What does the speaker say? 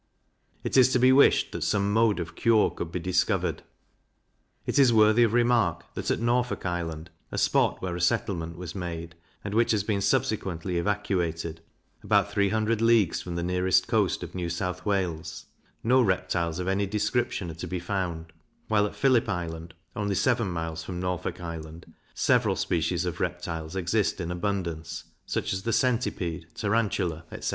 It is to be wished that some mode of cure could be discovered. It is worthy of remark, that at Norfolk Island, a spot where a settlement was made, and which has been subsequently evacuated, about three hundred leagues from the nearest coast of New South Wales, no reptiles of any description are to be found; while at Phillip Island, only seven miles from Norfolk Island, several species of reptiles exist in abundance, such as the Centipede, Tarantula, etc.